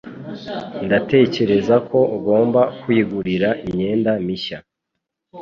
Ndatekereza ko ugomba kwigurira imyenda mishya.